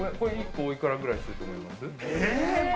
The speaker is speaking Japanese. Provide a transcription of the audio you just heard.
１個、お幾らぐらいすると思います？